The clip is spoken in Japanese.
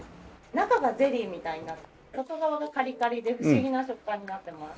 中がゼリーみたいになってて外側がカリカリで不思議な食感になってます。